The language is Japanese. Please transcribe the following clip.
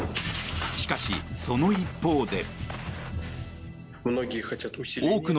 しかし、その一方で。